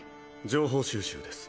情報収集です